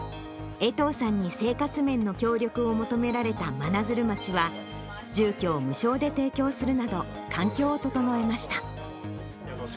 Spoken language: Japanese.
衛藤さんに生活面の協力を求められた真鶴町は、住居を無償で提供するなど、環境を整えました。